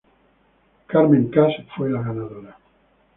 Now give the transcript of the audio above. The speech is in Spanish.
Carmen Kass fue la ganadora.